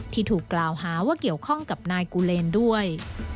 ที่ถูกกล่าวหาว่าเกี่ยวข้องกับนายกูเลนด้วย